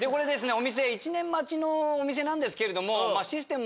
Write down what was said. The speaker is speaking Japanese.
お店１年待ちのお店なんですけれども。